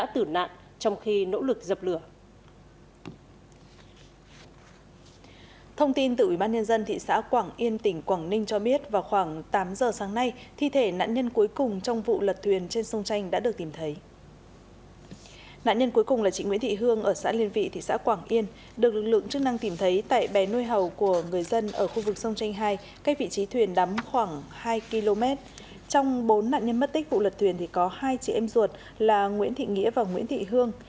trong bốn nạn nhân mất tích vụ lật thuyền thì có hai chị em ruột là nguyễn thị nghĩa và nguyễn thị hương